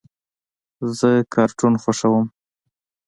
زه کارټون خوښوم.